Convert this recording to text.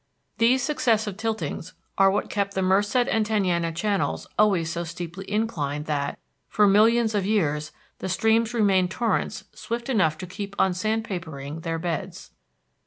These successive tiltings are what kept the Merced and Tenaya channels always so steeply inclined that, for millions of years, the streams remained torrents swift enough to keep on sandpapering their beds.